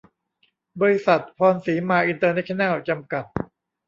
บริษัท พรสีมาอินเตอร์เนชั่นแนล จำกัด